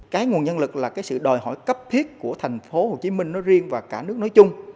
cái nguồn nhân lực là cái sự đòi hỏi cấp thiết của thành phố hồ chí minh nói riêng và cả nước nói chung